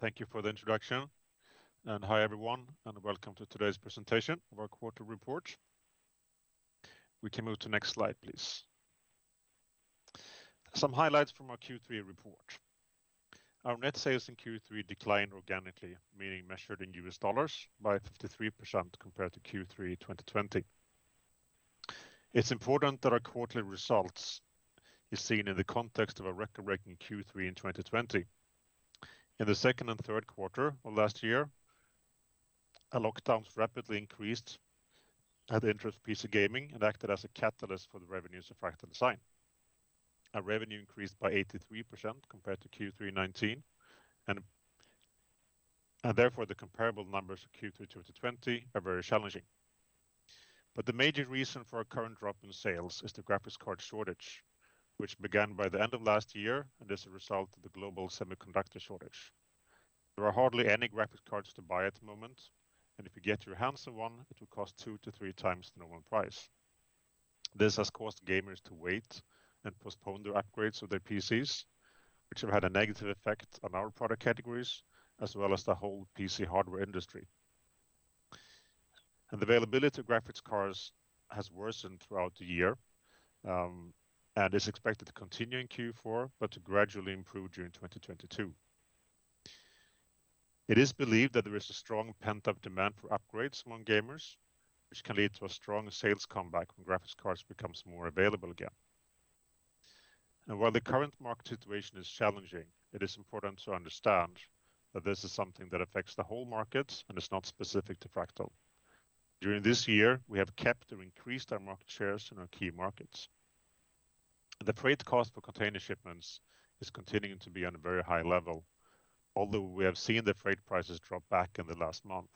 Thank you for the introduction. Hi everyone, and welcome to today's presentation of our quarterly report. We can move to next slide, please. Some highlights from our Q3 report. Our net sales in Q3 declined organically, meaning measured in U.S. dollar by 53% compared to Q3 2020. It's important that our quarterly results is seen in the context of a record-breaking Q3 in 2020. In the second and third quarter of last year, the lockdowns rapidly increased the interest in PC gaming and acted as a catalyst for the revenues of Fractal Design. Our revenue increased by 83% compared to Q3 2019, and therefore the comparable numbers for Q3 2020 are very challenging. The major reason for our current drop in sales is the graphics card shortage, which began by the end of last year and is a result of the global semiconductor shortage. There are hardly any graphics cards to buy at the moment, and if you get your hands on one, it will cost 2x-3x the normal price. This has caused gamers to wait and postpone their upgrades of their PCs, which have had a negative effect on our product categories, as well as the whole PC hardware industry. The availability of graphics cards has worsened throughout the year, and is expected to continue in Q4, but to gradually improve during 2022. It is believed that there is a strong pent-up demand for upgrades among gamers, which can lead to a strong sales comeback when graphics cards becomes more available again. While the current market situation is challenging, it is important to understand that this is something that affects the whole market and is not specific to Fractal. During this year, we have kept or increased our market shares in our key markets. The freight cost for container shipments is continuing to be on a very high level, although we have seen the freight prices drop back in the last month.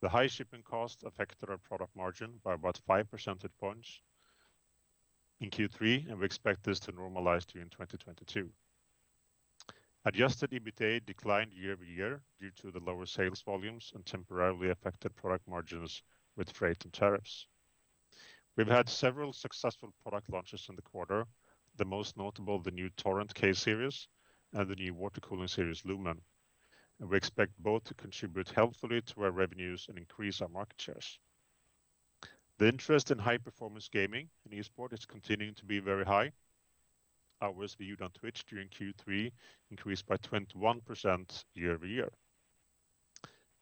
The high shipping cost affected our product margin by about 5 percentage points in Q3, and we expect this to normalize during 2022. Adjusted EBITDA declined year-over-year due to the lower sales volumes and temporarily affected product margins with freight and tariffs. We've had several successful product launches in the quarter, the most notable the new Torrent case series and the new water cooling series Lumen. We expect both to contribute healthily to our revenues and increase our market shares. The interest in high-performance gaming and esports is continuing to be very high. Hours viewed on Twitch during Q3 increased by 21% year-over-year.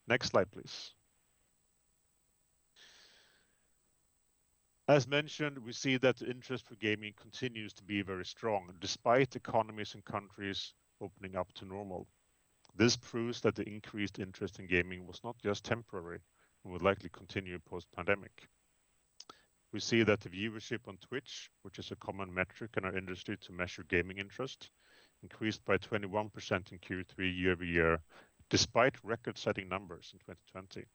Next slide, please. As mentioned, we see that interest in gaming continues to be very strong, despite economies and countries opening up to normal. This proves that the increased interest in gaming was not just temporary and would likely continue post-pandemic. We see that the viewership on Twitch, which is a common metric in our industry to measure gaming interest, increased by 21% in Q3 year-over-year, despite record-setting numbers in 2020.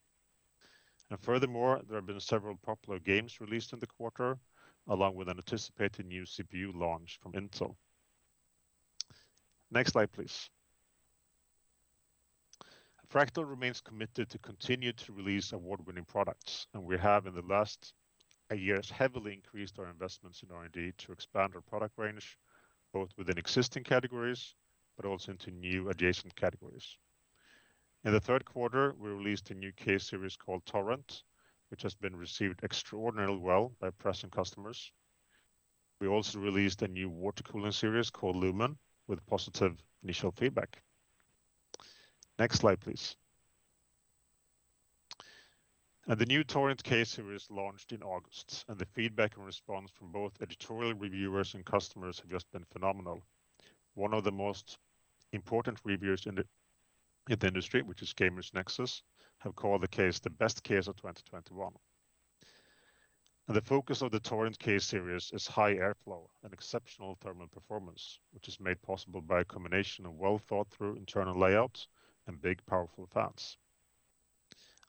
Furthermore, there have been several popular games released in the quarter, along with an anticipated new CPU launch from Intel. Next slide, please. Fractal remains committed to continue to release award-winning products, and we have in the last eight years heavily increased our investments in R&D to expand our product range, both within existing categories but also into new adjacent categories. In the third quarter, we released a new case series called Torrent, which has been received extraordinarily well by press and customers. We also released a new water cooling series called Lumen with positive initial feedback. Next slide, please. The new Torrent case series launched in August, and the feedback and response from both editorial reviewers and customers have just been phenomenal. One of the most important reviewers in the industry, which is GamersNexus, have called the case the Best Case of 2021. The focus of the Torrent case series is high airflow and exceptional thermal performance, which is made possible by a combination of well-thought-through internal layouts and big, powerful fans.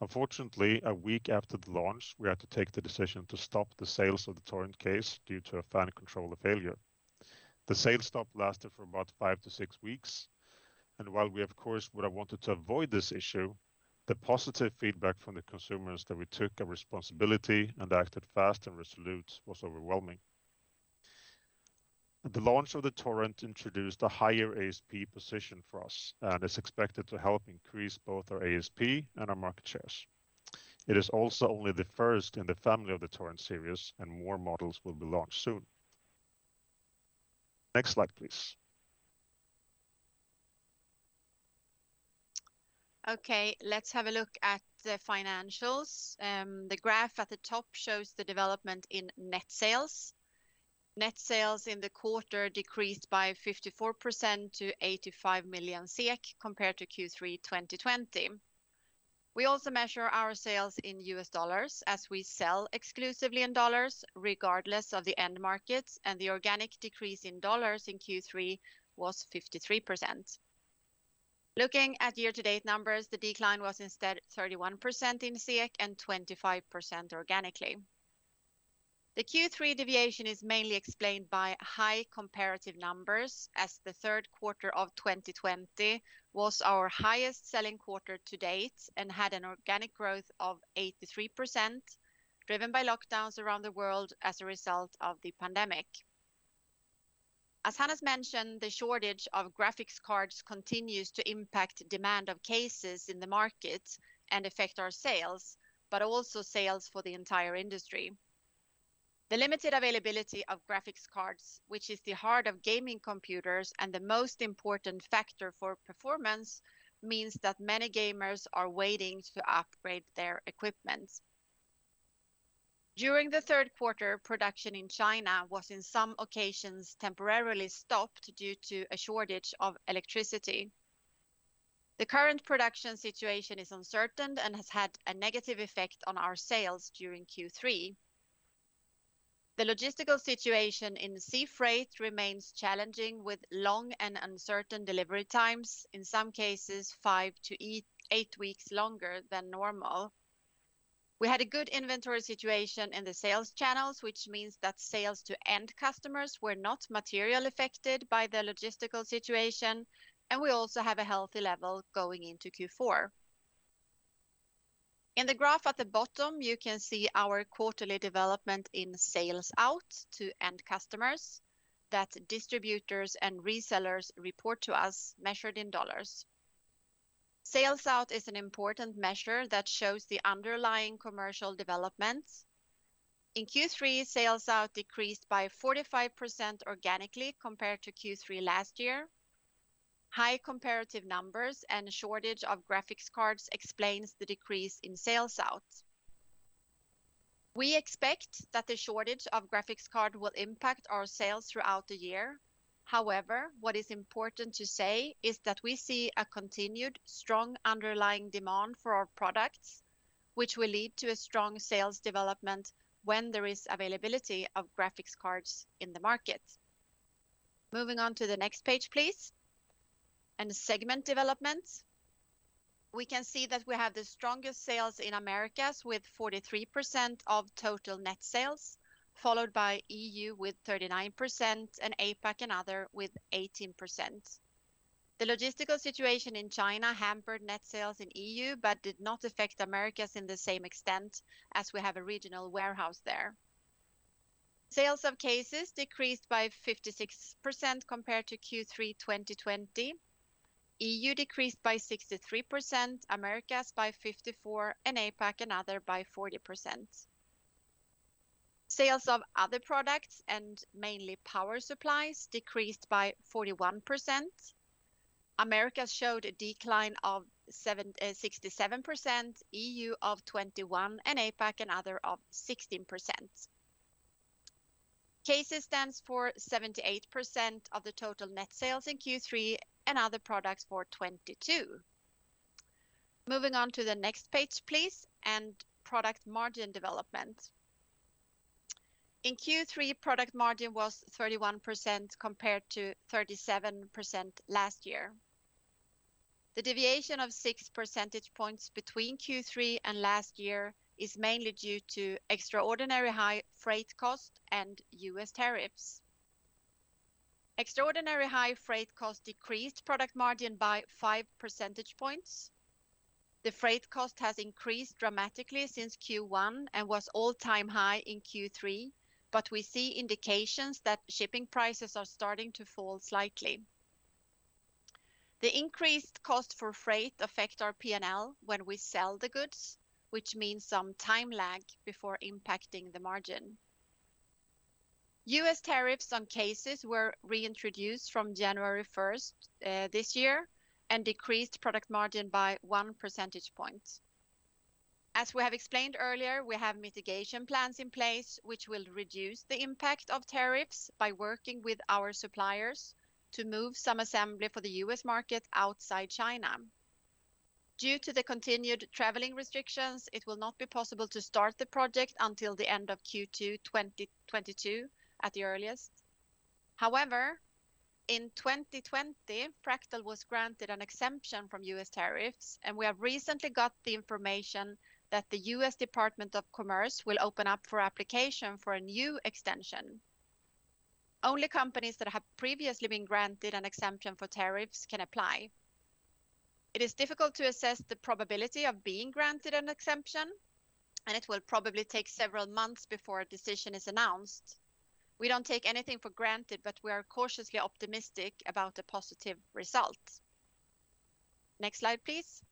Unfortunately, a week after the launch, we had to take the decision to stop the sales of the Torrent case due to a fan controller failure. The sales stop lasted for about five to six weeks, and while we of course would have wanted to avoid this issue, the positive feedback from the consumers that we took a responsibility and acted fast and resolute was overwhelming. The launch of the Torrent introduced a higher ASP position for us and is expected to help increase both our ASP and our market shares. It is also only the first in the family of the Torrent series, and more models will be launched soon. Next slide, please. Okay, let's have a look at the financials. The graph at the top shows the development in net sales. Net sales in the quarter decreased by 54% to 85 million SEK compared to Q3 2020. We also measure our sales in U.S. dollars as we sell exclusively in dollars regardless of the end markets, and the organic decrease in dollars in Q3 was 53%. Looking at year-to-date numbers, the decline was instead 31% in SEK and 25% organically. The Q3 deviation is mainly explained by high comparative numbers as the third quarter of 2020 was our highest selling quarter to date and had an organic growth of 83%, driven by lockdowns around the world as a result of the pandemic. As Hannes mentioned, the shortage of graphics cards continues to impact demand of cases in the market and affect our sales, but also sales for the entire industry. The limited availability of graphics cards, which is the heart of gaming computers and the most important factor for performance, means that many gamers are waiting to upgrade their equipment. During the third quarter, production in China was in some occasions temporarily stopped due to a shortage of electricity. The current production situation is uncertain and has had a negative effect on our sales during Q3. The logistical situation in sea freight remains challenging with long and uncertain delivery times, in some cases five-eight weeks longer than normal. We had a good inventory situation in the sales channels, which means that sales to end customers were not materially affected by the logistical situation, and we also have a healthy level going into Q4. In the graph at the bottom, you can see our quarterly development in sales out to end customers that distributors and resellers report to us measured in U.S. dollar. Sales out is an important measure that shows the underlying commercial developments. In Q3, sales out decreased by 45% organically compared to Q3 last year. High comparative numbers and shortage of graphics cards explains the decrease in sales out. We expect that the shortage of graphics cards will impact our sales throughout the year. However, what is important to say is that we see a continued strong underlying demand for our products, which will lead to a strong sales development when there is availability of graphics cards in the market. Moving on to the next page, please. Segment development. We can see that we have the strongest sales in Americas with 43% of total net sales, followed by EU with 39% and APAC and other with 18%. The logistical situation in China hampered net sales in EU, but did not affect Americas in the same extent as we have a regional warehouse there. Sales of cases decreased by 56% compared to Q3 2020. EU decreased by 63%, America’s by 54%, and APAC and other by 40%. Sales of other products and mainly power supplies decreased by 41%. Americas showed a decline of 67%, EU of 21%, and APAC and other of 16%. Cases stands for 78% of the total net sales in Q3 and other products for 22%. Moving on to the next page, please, and product margin development. In Q3, product margin was 31% compared to 37% last year. The deviation of 6 percentage points between Q3 and last year is mainly due to extraordinary high freight cost and U.S. tariffs. Extraordinary high freight cost decreased product margin by 5 percentage points. The freight cost has increased dramatically since Q1 and was all-time high in Q3, but we see indications that shipping prices are starting to fall slightly. The increased cost for freight affect our P&L when we sell the goods, which means some time lag before impacting the margin. U.S. tariffs on cases were reintroduced from January first, this year and decreased product margin by 1 percentage point. As we have explained earlier, we have mitigation plans in place which will reduce the impact of tariffs by working with our suppliers to move some assembly for the U.S. market outside China. Due to the continued traveling restrictions, it will not be possible to start the project until the end of Q2 2022 at the earliest. However, in 2020, Fractal was granted an exemption from U.S. tariffs, and we have recently got the information that the U.S. Department of Commerce will open up for application for a new extension. Only companies that have previously been granted an exemption for tariffs can apply. It is difficult to assess the probability of being granted an exemption, and it will probably take several months before a decision is announced. We don't take anything for granted, but we are cautiously optimistic about the positive result. Next slide, please.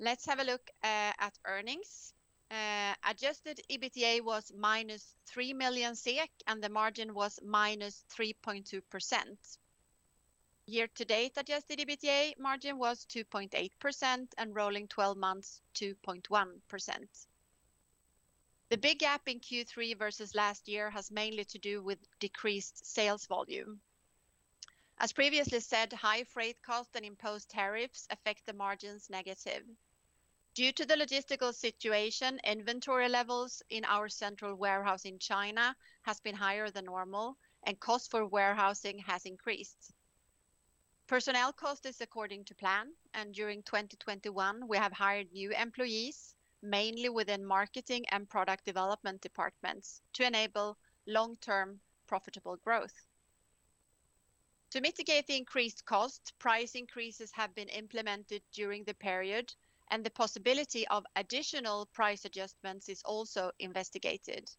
Let's have a look at earnings. Adjusted EBITDA was -3 million SEK, and the margin was -3.2%. Year to date, adjusted EBITDA margin was 2.8% and rolling twelve months, 2.1%. The big gap in Q3 versus last year has mainly to do with decreased sales volume. As previously said, high freight costs and imposed tariffs affect the margins negatively. Due to the logistical situation, inventory levels in our central warehouse in China have been higher than normal, and costs for warehousing have increased. Personnel cost is according to plan, and during 2021, we have hired new employees, mainly within marketing and product development departments to enable long-term profitable growth. To mitigate the increased cost, price increases have been implemented during the period, and the possibility of additional price adjustments is also investigated.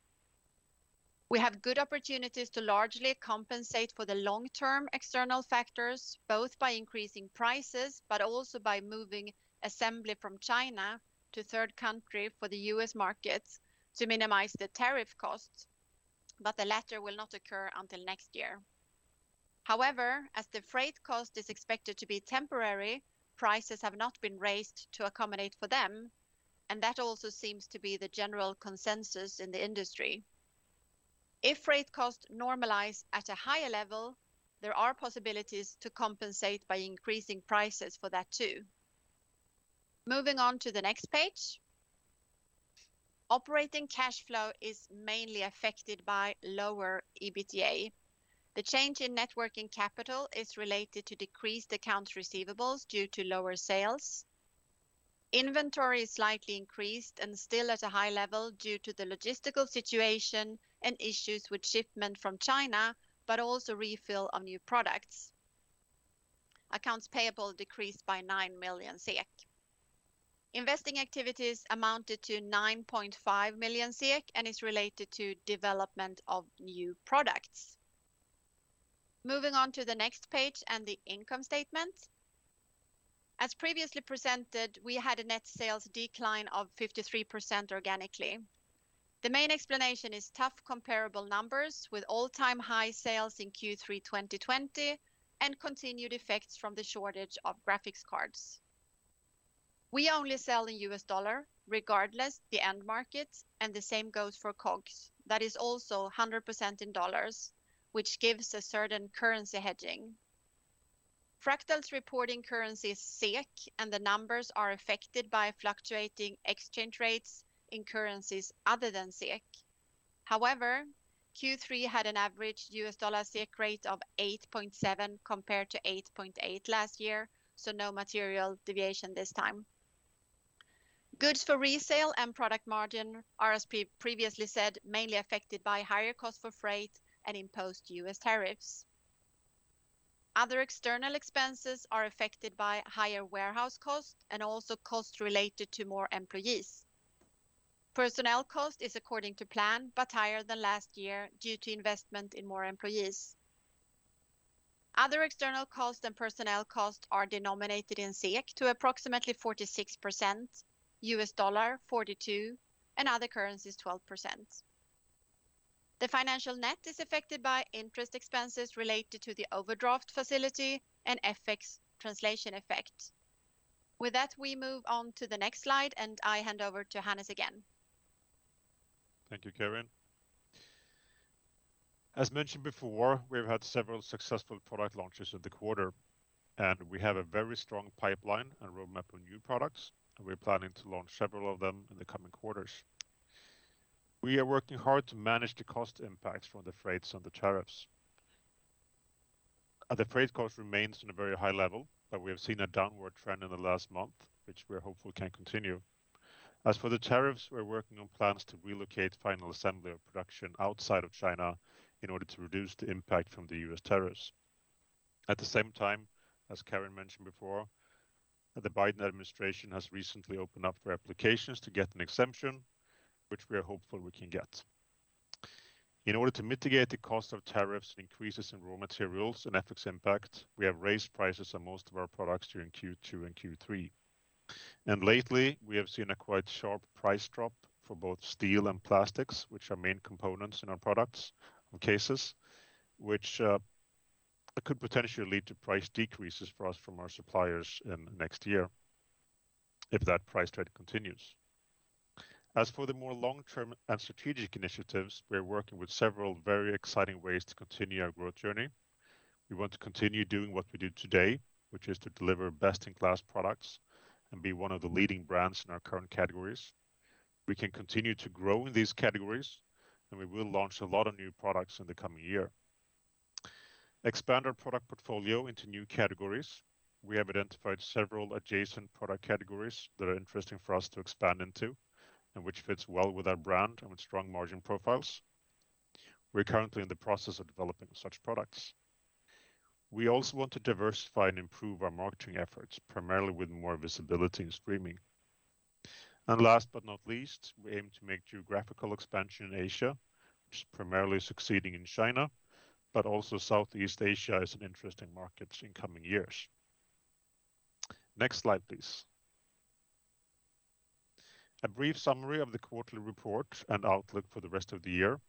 We have good opportunities to largely compensate for the long-term external factors, both by increasing prices but also by moving assembly from China to third country for the U.S. markets to minimize the tariff costs. The latter will not occur until next year. However, as the freight cost is expected to be temporary, prices have not been raised to accommodate for them, and that also seems to be the general consensus in the industry. If freight costs normalize at a higher level, there are possibilities to compensate by increasing prices for that too. Moving on to the next page. Operating cash flow is mainly affected by lower EBITDA. The change in net working capital is related to decreased accounts receivables due to lower sales. Inventory is slightly increased and still at a high level due to the logistical situation and issues with shipment from China, but also refill of new products. Accounts payable decreased by 9 million SEK. Investing activities amounted to 9.5 million SEK and is related to development of new products. Moving on to the next page and the income statement. As previously presented, we had a net sales decline of 53% organically. The main explanation is tough comparable numbers with all-time high sales in Q3 2020 and continued effects from the shortage of graphics cards. We only sell in U.S. dollar regardless of the end market, and the same goes for COGS. That is also 100% in dollars, which gives a certain currency hedging. Fractal's reporting currency is SEK, and the numbers are affected by fluctuating exchange rates in currencies other than SEK. However, Q3 had an average U.S. dollar SEK rate of 8.7% compared to 8.8% last year, so no material deviation this time. Goods for resale and product margin are, as previously said, mainly affected by higher cost for freight and imposed U.S. tariffs. Other external expenses are affected by higher warehouse costs and also costs related to more employees. Personnel cost is according to plan, but higher than last year due to investment in more employees. Other external costs and personnel costs are denominated in SEK to approximately 46%, U.S. dollar 42%, and other currencies 12%. The financial net is affected by interest expenses related to the overdraft facility and FX translation effect. With that, we move on to the next slide, and I hand over to Hannes again. Thank you, Karin. As mentioned before, we've had several successful product launches in the quarter, and we have a very strong pipeline and roadmap on new products. We're planning to launch several of them in the coming quarters. We are working hard to manage the cost impacts from the freights and the tariffs. The freight cost remains in a very high level, but we have seen a downward trend in the last month, which we're hopeful can continue. As for the tariffs, we're working on plans to relocate final assembly of production outside of China in order to reduce the impact from the U.S. tariffs. At the same time, as Karin mentioned before, the Biden Administration has recently opened up for applications to get an exemption, which we are hopeful we can get. In order to mitigate the cost of tariffs, increases in raw materials, and FX impact, we have raised prices on most of our products during Q2 and Q3. Lately, we have seen a quite sharp price drop for both steel and plastics, which are main components in our products and cases, which could potentially lead to price decreases for us from our suppliers in next year if that price trend continues. As for the more long-term and strategic initiatives, we are working with several very exciting ways to continue our growth journey. We want to continue doing what we do today, which is to deliver best-in-class products and be one of the leading brands in our current categories. We can continue to grow in these categories, and we will launch a lot of new products in the coming year. Expand our product portfolio into new categories. We have identified several adjacent product categories that are interesting for us to expand into and which fits well with our brand and with strong margin profiles. We're currently in the process of developing such products. We also want to diversify and improve our marketing efforts, primarily with more visibility in streaming. Last but not least, we aim to make geographical expansion in Asia, which is primarily succeeding in China, but also Southeast Asia is an interesting market in coming years. Next slide, please. A brief summary of the quarterly report and outlook for the rest of the year.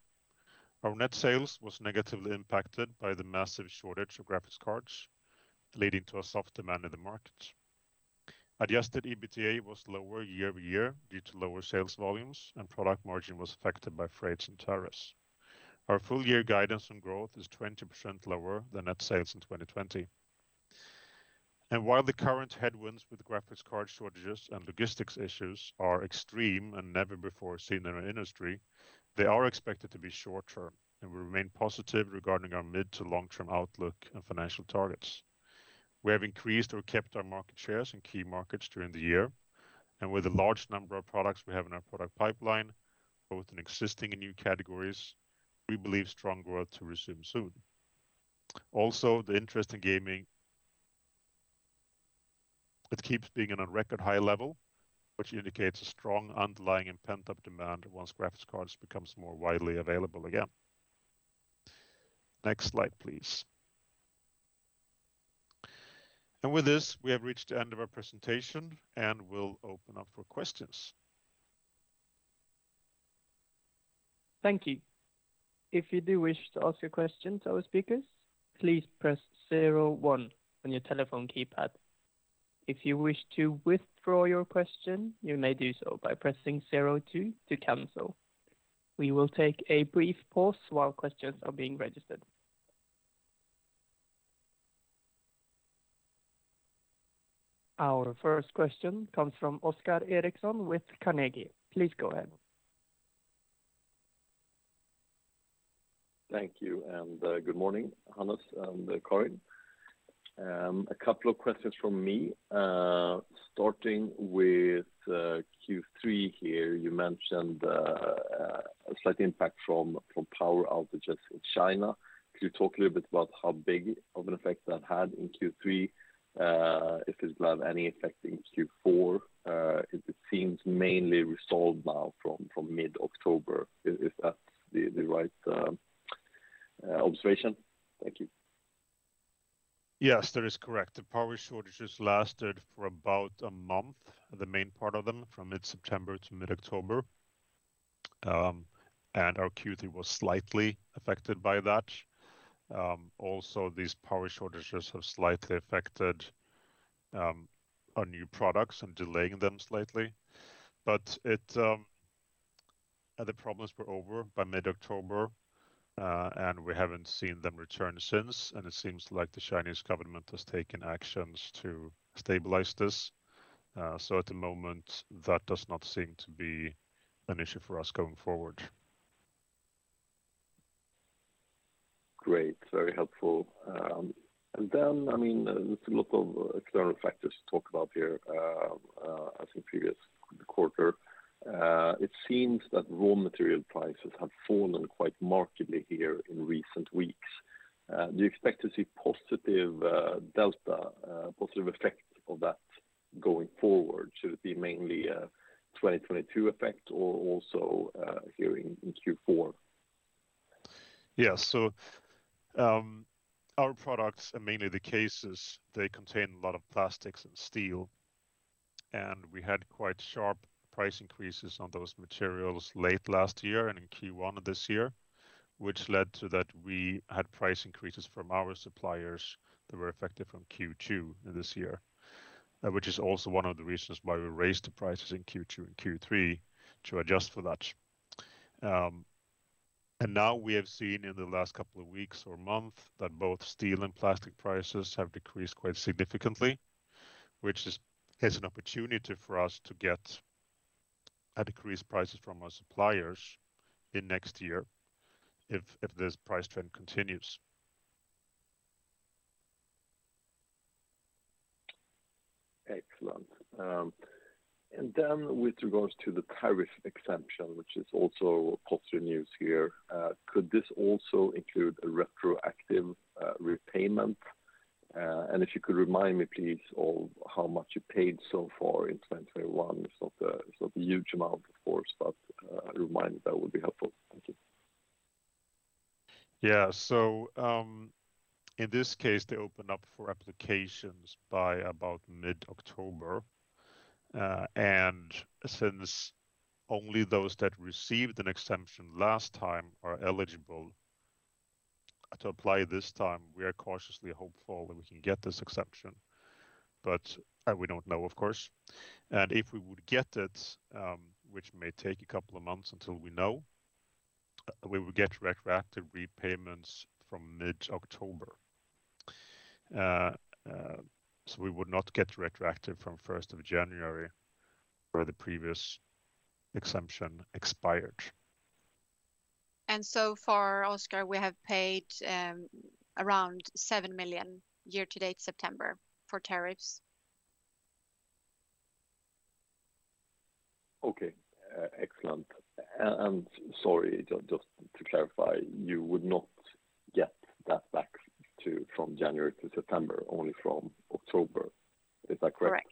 Our net sales was negatively impacted by the massive shortage of graphics cards, leading to a soft demand in the market. Adjusted EBITDA was lower year-over-year due to lower sales volumes, and product margin was affected by freights and tariffs. Our full year guidance on growth is 20% lower than net sales in 2020. While the current headwinds with graphics card shortages and logistics issues are extreme and never before seen in our industry, they are expected to be short-term, and we remain positive regarding our mid to long-term outlook and financial targets. We have increased or kept our market shares in key markets during the year. With a large number of products we have in our product pipeline, both in existing and new categories, we believe strong growth to resume soon. Also, the interest in gaming, it keeps being in a record high level, which indicates a strong underlying and pent-up demand once graphics cards becomes more widely available again. Next slide, please. With this, we have reached the end of our presentation, and we'll open up for questions. Thank you. If you do wish to ask a question to our speakers, please press zero one on your telephone keypad. If you wish to withdraw your question, you may do so by pressing zero two to cancel. We will take a brief pause while questions are being registered. Our first question comes from Oskar Erixon with Carnegie. Please go ahead. Thank you, and, good morning, Hannes and Karin. A couple of questions from me. Starting with Q3 here, you mentioned a slight impact from power outages in China. Could you talk a little bit about how big of an effect that had in Q3? If it's had any effect in Q4? If it seems mainly resolved now from mid-October, is that the right observation? Thank you. Yes, that is correct. The power shortages lasted for about a month, the main part of them, from mid-September to mid-October. Our Q3 was slightly affected by that. Also, these power shortages have slightly affected our new products and delaying them slightly. The problems were over by mid-October, and we haven't seen them return since. It seems like the Chinese government has taken actions to stabilize this. At the moment, that does not seem to be an issue for us going forward. Great. Very helpful. I mean, there's a lot of external factors to talk about here, as in previous quarter. It seems that raw material prices have fallen quite markedly here in recent weeks. Do you expect to see positive delta, positive effect of that going forward? Should it be mainly a 2022 effect or also here in Q4? Yeah. Our products are mainly the cases. They contain a lot of plastics and steel, and we had quite sharp price increases on those materials late last year and in Q1 of this year, which led to that we had price increases from our suppliers that were effective from Q2 this year, which is also one of the reasons why we raised the prices in Q2 and Q3 to adjust for that. Now we have seen in the last couple of weeks or month that both steel and plastic prices have decreased quite significantly, which is an opportunity for us to get a decreased prices from our suppliers in next year if this price trend continues. Excellent. With regards to the tariff exemption, which is also positive news here, could this also include a retroactive repayment? If you could remind me, please, of how much you paid so far in 2021. It's not a huge amount, of course, but a reminder that would be helpful. Thank you. Yeah. In this case, they opened up for applications by about mid-October. Since only those that received an exemption last time are eligible to apply this time, we are cautiously hopeful that we can get this exemption, but we don't know, of course. If we would get it, which may take a couple of months until we know, we would get retroactive repayments from mid-October. We would not get retroactive from first of January, where the previous exemption expired. So far, Oskar, we have paid around 7 million year-to-date September for tariffs. Okay. Excellent. Sorry, just to clarify, you would not get that from January to September, only from October. Is that correct? Correct.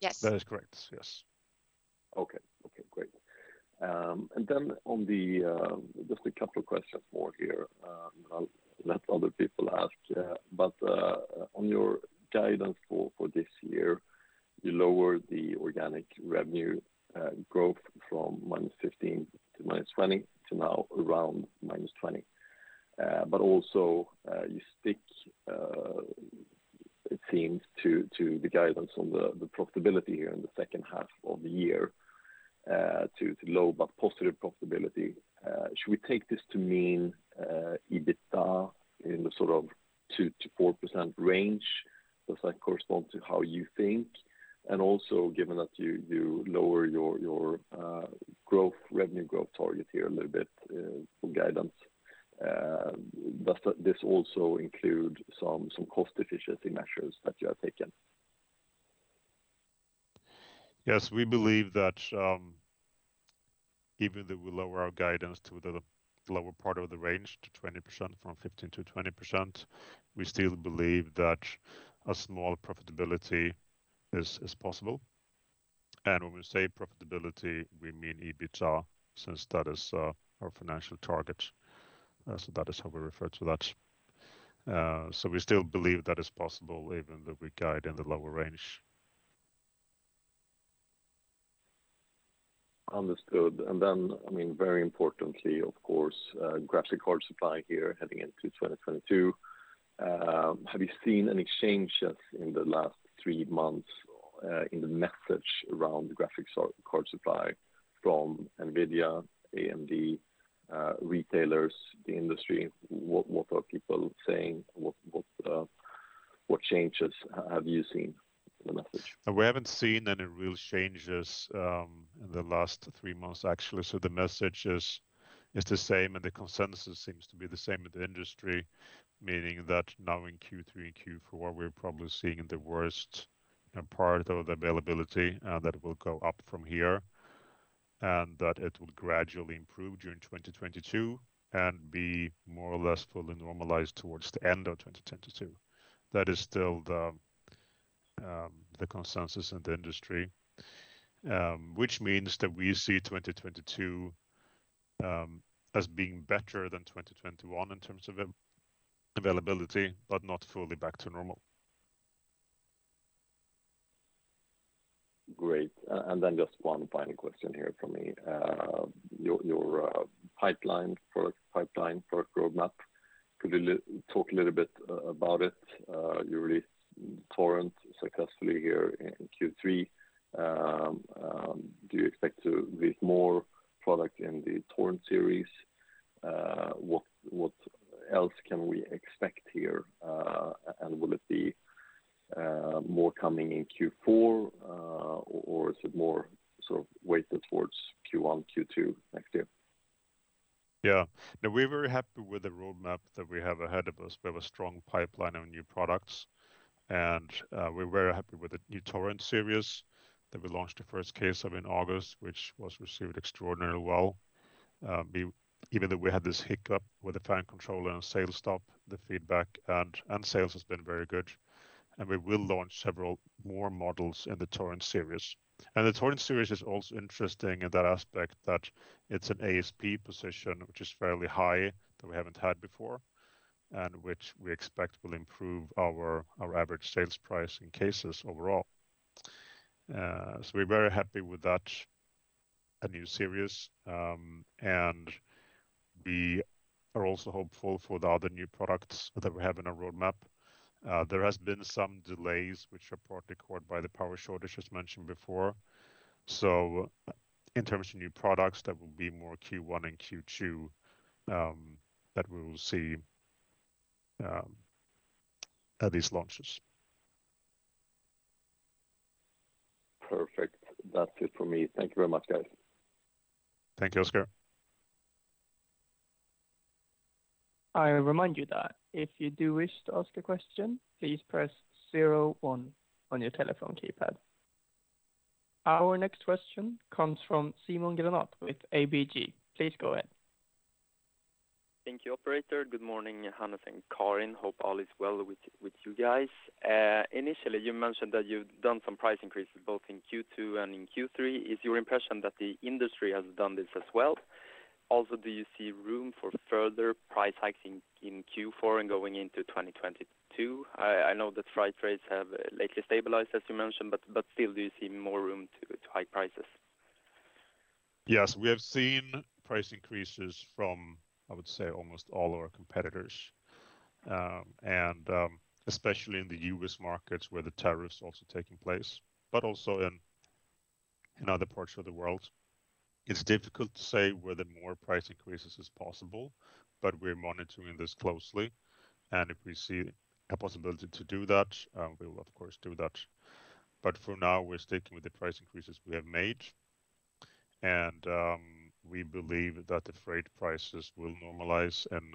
Yes. That is correct. Yes. Okay. Okay, great. Just a couple of questions more here. I'll let other people ask. But on your guidance for this year, you lowered the organic revenue growth from -15% to -20% to now around -20%. But also, you stick, it seems to the guidance on the profitability here in the second half of the year, to low but positive profitability. Should we take this to mean EBITDA in the sort of 2%-4% range? Does that correspond to how you think? Given that you lower your revenue growth target here a little bit for guidance, does this also include some cost efficiency measures that you have taken? Yes. We believe that even though we lower our guidance to the lower part of the range to 20%, from 15% to 20%, we still believe that a small profitability is possible. When we say profitability, we mean EBITDA, since that is our financial target. That is how we refer to that. We still believe that is possible even though we guide in the lower range. Understood. I mean, very importantly, of course, graphics card supply here heading into 2022. Have you seen any changes in the last three months in the message around graphics card supply from NVIDIA, AMD, retailers, the industry? What changes have you seen in the message? We haven't seen any real changes in the last three months, actually. The message is the same, and the consensus seems to be the same in the industry, meaning that now in Q3, Q4, we're probably seeing the worst, you know, part of the availability that will go up from here, and that it will gradually improve during 2022 and be more or less fully normalized towards the end of 2022. That is still the consensus in the industry, which means that we see 2022 as being better than 2021 in terms of availability, but not fully back to normal. Great. Just one final question here from me. Your pipeline product roadmap. Could you talk a little bit about it? You released Torrent successfully here in Q3. Do you expect to release more product in the Torrent series? What else can we expect here? Will it be more coming in Q4, or is it more sort of weighted towards Q1, Q2 next year? Yeah. No, we're very happy with the roadmap that we have ahead of us. We have a strong pipeline of new products, and we're very happy with the new Torrent series that we launched the first case of in August, which was received extraordinarily well. Even though we had this hiccup with the fan controller and sales stop, the feedback and sales has been very good. We will launch several more models in the Torrent series. The Torrent series is also interesting in that aspect that it's an ASP position which is fairly high, that we haven't had before, and which we expect will improve our average sales price in cases overall. We're very happy with that, a new series. We are also hopeful for the other new products that we have in our roadmap. There has been some delays which are partly caused by the power shortage, as mentioned before. In terms of new products, that will be more Q1 and Q2, that we will see, these launches. Perfect. That's it for me. Thank you very much, guys. Thank you, Oskar. I remind you that if you do wish to ask a question, please press zero one on your telephone keypad. Our next question comes from Simon Jönsson with ABG. Please go ahead. Thank you, operator. Good morning, Hannes and Karin. Hope all is well with you guys. Initially, you mentioned that you've done some price increases both in Q2 and in Q3. Is your impression that the industry has done this as well? Also, do you see room for further price hiking in Q4 and going into 2022? I know that freight rates have lately stabilized, as you mentioned, but still, do you see more room to hike prices? Yes. We have seen price increases from, I would say, almost all our competitors, and especially in the U.S. markets where the tariffs also taking place, but also in other parts of the world. It's difficult to say whether more price increases is possible, but we're monitoring this closely, and if we see a possibility to do that, we will of course do that. For now, we're sticking with the price increases we have made. We believe that the freight prices will normalize in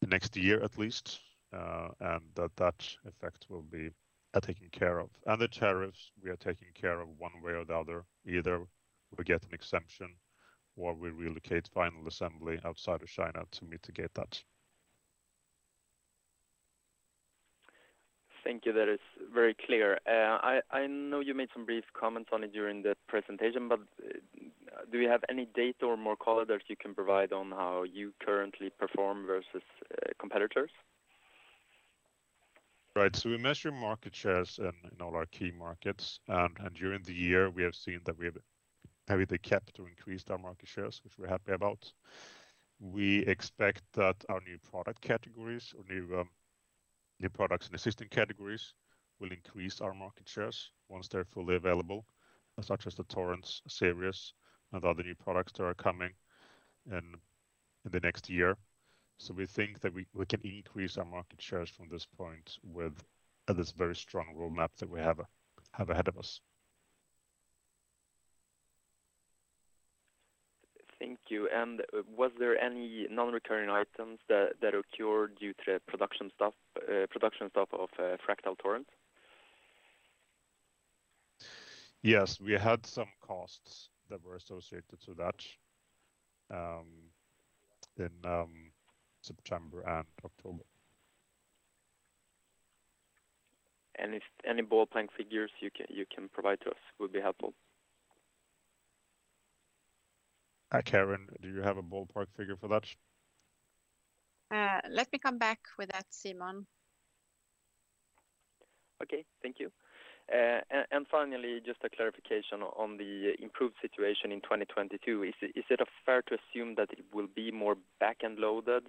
the next year at least, and that effect will be taken care of. The tariffs, we are taking care of one way or the other. Either we get an exemption, or we relocate final assembly outside of China to mitigate that. Thank you. That is very clear. I know you made some brief comments on it during the presentation, but do you have any data or more color that you can provide on how you currently perform versus competitors? Right. We measure market shares in all our key markets. During the year, we have seen that we have either kept or increased our market shares, which we're happy about. We expect that our new product categories or new products in existing categories will increase our market shares once they're fully available, such as the Torrent series and other new products that are coming in the next year. We think that we can increase our market shares from this point with this very strong roadmap that we have ahead of us. Thank you. Was there any non-recurring items that occurred due to production stop of Fractal Torrent? Yes. We had some costs that were associated to that, in September and October. If any ballpark figures you can provide to us would be helpful. Karin, do you have a ballpark figure for that? Let me come back with that, Simon. Okay. Thank you. Finally, just a clarification on the improved situation in 2022. Is it fair to assume that it will be more back-end loaded?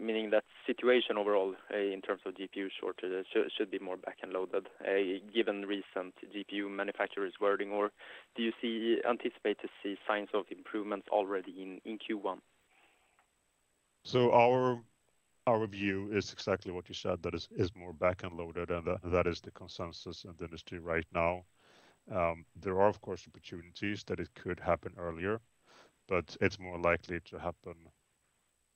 Meaning that situation overall, in terms of GPU shortage should be more back-end loaded, given recent GPU manufacturers wording? Or do you anticipate to see signs of improvements already in Q1? Our view is exactly what you said, that is more back-end loaded, and that is the consensus in the industry right now. There are of course opportunities that it could happen earlier, but it's more likely to happen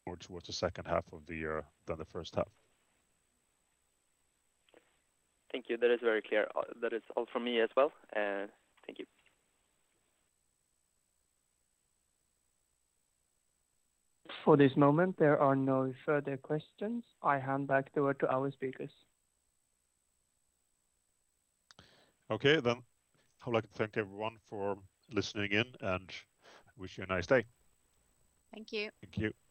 more towards the second half of the year than the first half. Thank you. That is very clear. That is all from me as well. Thank you. For the moment, there are no further questions. I hand back over to our speakers. Okay, then. I would like to thank everyone for listening in, and wish you a nice day. Thank you. Thank you.